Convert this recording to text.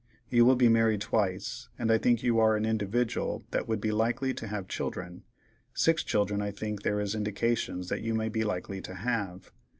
You will be married twice, and I think you are an individdyal that would be likely to have children—six children I think there is indications that you may be likely to have.